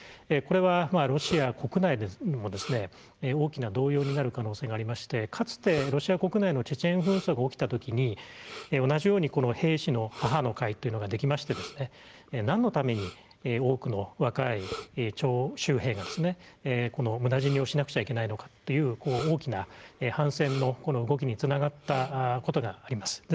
これはロシア国内も大きな動揺になる可能性がありましてかつて、ロシア国内のチェチェン紛争が起きたときに同じように兵士の母の会というのができましてなんのために多くの若い徴集兵がむだ死にをしなくちゃいけないのかという大きな反戦の動きにつながったことがあります。